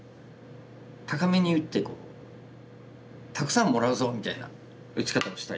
高めに打ってたくさんもらうぞみたいな打ち方をしたい。